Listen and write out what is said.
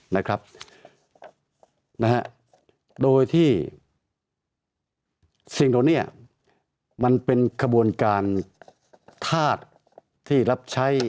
นะครับนะฮะโดยที่สิ่งเหล่านี้มันเป็นขบวนการธาตุที่รับใช้